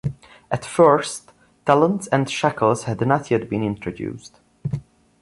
At first, talents and shekels had not yet been introduced.